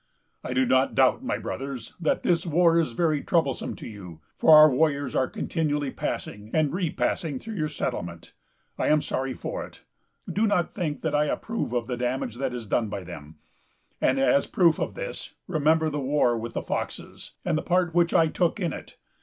"I do not doubt, my Brothers, that this war is very troublesome to you, for our warriors are continually passing and repassing through your settlement. I am sorry for it. Do not think that I approve of the damage that is done by them; and, as a proof of this, remember the war with the Foxes, and the part which I took in it.